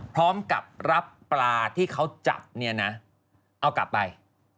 พร้อมกับรับปลาที่เขาจับเอากลับไป